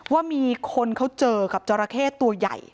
ว่ามีคนเขาเจอกับจราเข้ตัวใหญ่